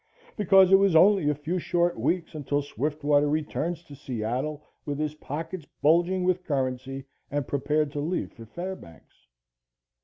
Because it was only a few short weeks until Swiftwater returns to Seattle with his pockets bulging with currency and prepared to leave for Fairbanks.